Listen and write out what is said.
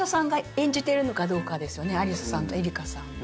アリサさんとエリカさんが。